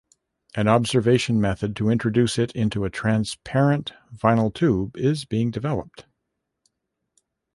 An observation method to introduce it into a transparent vinyl tube is being developed.